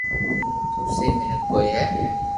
تو سھي مينک ڪوئي ھي